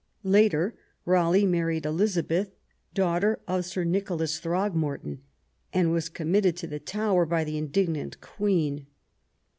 Later^ Raleigh married Elizabeth, daughter of Sir 248 QUEEN ELIZABETH, Nicholas Throgmorton, and was committed to the Tower by the indignant Queen.